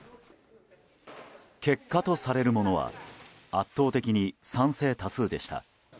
結果とされるものは圧倒的に賛成多数でした。